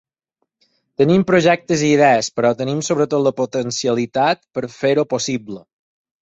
Tenim projectes i idees, però tenim sobretot la potencialitat per fer-ho possible.